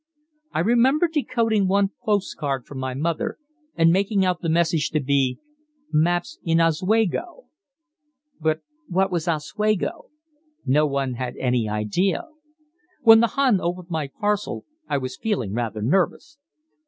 I remember decoding one post card from my mother, and making out the message to be "Maps in OSWEGO." But what was Oswego? No one had any idea. When the Hun opened my parcel, I was feeling rather nervous.